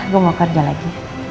gue mau kerja lagi